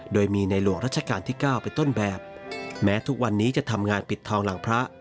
โดยมีในหลวงรัชกาลที่๙เป็นต้นแบบแม้ทุกวันนี้จะทำงานปิดทองหลังพระ